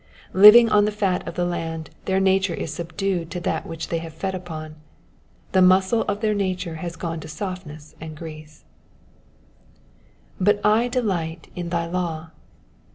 Living on the fat of the land, their nature is subdued to that which they have fed upon ; the muscle of their nature has gone to softness and grease. ^*But I ddight in thy law.